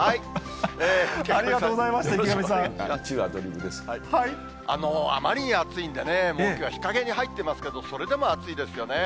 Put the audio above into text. ありがとうございました、あまりに暑いんでね、日陰に入っておりますけれども、それでも暑いですよね。